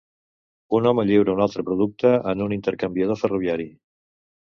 Un home lliura un altre producte en un intercanviador ferroviari.